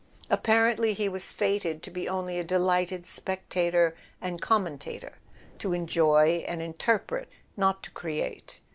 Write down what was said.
Apparently he was fated to be only a delighted spectator and commentator; to enjoy and interpret, not to create.